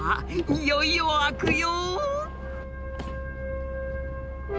いよいよ開くよ！